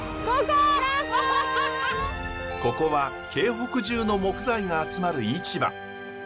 ここは京北中の木材が集まる市場。